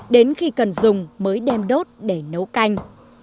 đến khi cần dùng mới đem đốt để nấu canh